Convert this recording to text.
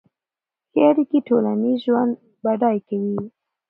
ښه اړیکې ټولنیز ژوند بډای کوي.